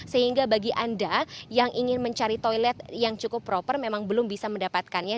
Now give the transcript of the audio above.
sehingga bagi anda yang ingin mencari toilet yang cukup proper memang belum bisa mendapatkannya